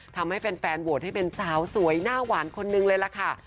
ทำให้แฟนโหวตให้เป็นสาวสวยหน้าหวานคนนึงเลยล่ะค่ะ